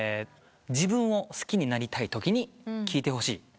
自分を好きになりたいときに聴いてほしい。